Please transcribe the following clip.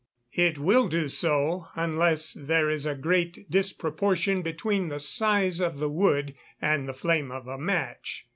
_ It will do so, unless there is a great disproportion between the size of the wood and the flame of a match.